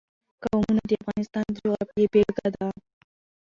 قومونه د افغانستان د جغرافیې بېلګه ده.